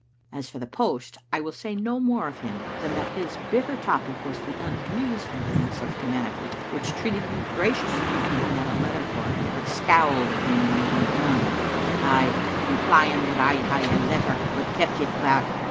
As for the post, I will say no more of him than that his bitter topic was the unreasonableness of humanity, which treated him graciously when he had a letter for it, but scowled at him when he had none, " aye imply ing that I hae a letter, but keep it back."